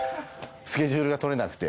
スケジュールが取れなくて。